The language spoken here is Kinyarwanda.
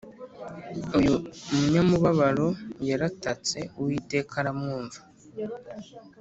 Uyu munyamubabaro yaratatse uwiteka aramwumva